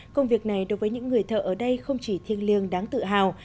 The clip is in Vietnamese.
công việc này đối với những người thợ ở đây không chỉ thiêng liêng đáng tự hào